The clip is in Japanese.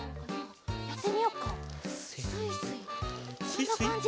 こんなかんじ？